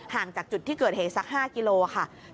ห่างจากจุดที่เกิดเหตุสัก๕กิโลกรัมค่ะ